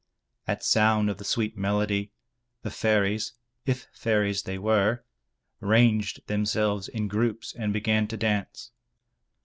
At sound of the sweet melody, the fairies (if fairies they were) ranged themselves in groups and began to dance.